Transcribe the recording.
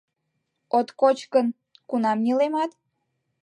— От коч гын, кунам нелемат?